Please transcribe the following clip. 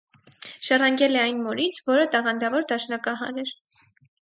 Ժառանգել է այն մորից, որը տաղանդավոր դաշնակահար էր։